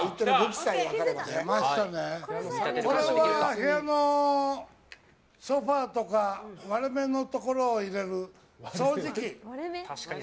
部屋のソファとか割れ目のところに入れる掃除機。